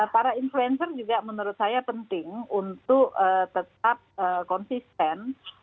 para influencer juga menurut saya penting untuk tetap konsisten